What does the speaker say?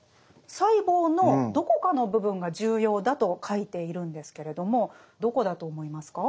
細胞のどこかの部分が重要だと書いているんですけれどもどこだと思いますか？